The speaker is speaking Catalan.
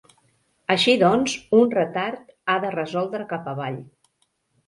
Així doncs, un retard ha de resoldre cap avall.